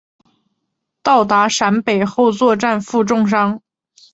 到达陕北后作战负重伤。